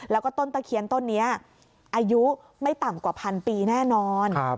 แล้วก็ต้นตะเคียนต้นนี้อายุไม่ต่ำกว่าพันปีแน่นอน